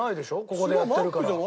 ここでやってるから。